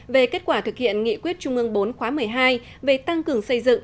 về kết quả thực hiện nghị quyết trung ương bốn khóa một mươi hai về tăng cường xây dựng